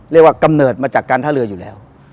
กำเนิดมาจากการท่าเรืออยู่แล้ว